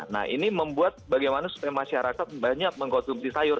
nah ini membuat bagaimana supaya masyarakat banyak mengkonsumsi sayur